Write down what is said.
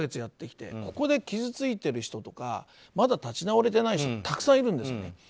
ここで傷ついている人とかまだ立ち直れてない人たくさんいるんですね。